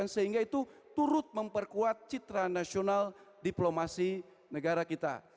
sehingga itu turut memperkuat citra nasional diplomasi negara kita